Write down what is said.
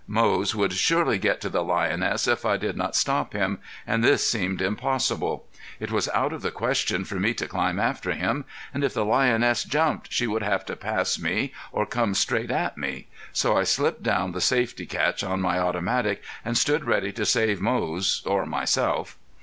Moze would surely get to the lioness if I did not stop him, and this seemed impossible. It was out of the question for me to climb after him. And if the lioness jumped she would have to pass me or come straight at me. So I slipped down the safety catch on my automatic and stood ready to save Moze or myself.